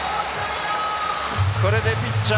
これでピッチャー